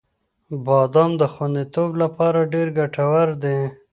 • بادام د خوندیتوب لپاره ډېر ګټور دی.